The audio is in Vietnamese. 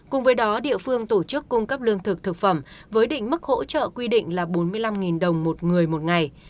cùng với đó địa phương tổ chức cung cấp lương thực thực phẩm với định mức hỗ trợ quy định là bốn mươi năm đồng một người một ngày